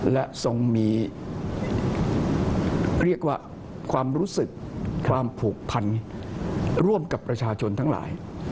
และทรงมีเรียกว่าความรู้สึกความผูกพันร่วมกับประชาชนทั้งหลาย